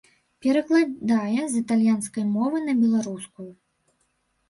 Перакладае з італьянскай мовы на беларускую.